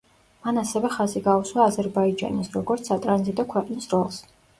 მან ასევე ხაზი გაუსვა აზერბაიჯანის, როგორც სატრანზიტო ქვეყნის როლს.